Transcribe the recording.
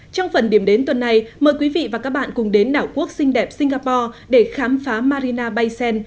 trong phần điểm đến tuần này mời quý vị và các bạn cùng đến đảo quốc xinh đẹp singapore để khám phá marina bay